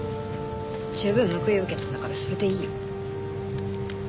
十分報いを受けたんだからそれでいいよ。